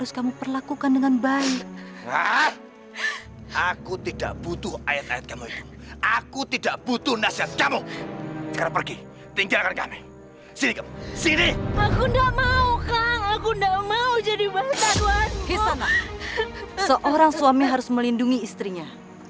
sampai jumpa di video selanjutnya